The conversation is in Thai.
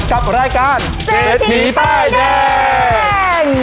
กับรายการเจ็ดถี่ป้ายแยกและแฉ่ง